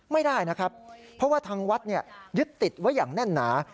ไม่ได้นะครับเพราะว่าทางวัดยึดติดไว้อย่างแน่นหนา